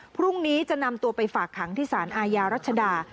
พรุ่งนี้จะนำตัวไปฝากขังที่สารอาญารัชดา